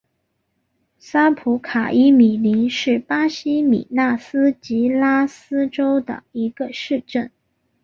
萨普卡伊米林是巴西米纳斯吉拉斯州的一个市镇。